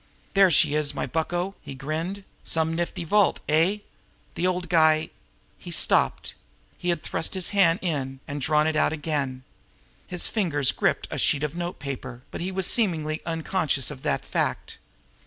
"There she is, my bucko!" he grinned. "Some nifty vault, eh? The old guy " He stopped. He had thrust in his hand, and drawn it out again. His fingers gripped a sheet of notepaper but he was seemingly unconscious of that fact.